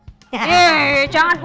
hei jangan bu